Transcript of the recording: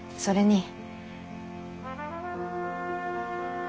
それに？